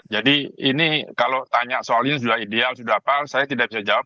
jadi ini kalau tanya soalnya sudah ideal sudah apa saya tidak bisa jawab